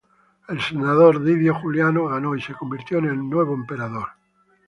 El senador Didio Juliano ganó y se convirtió en el nuevo emperador.